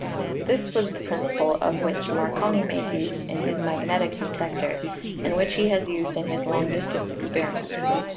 This was the principle of which Marconi made use in his magnetic detector, and which he has used in his long distance experiments.